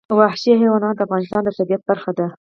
وحشي حیوانات د افغانستان د طبیعت برخه ده.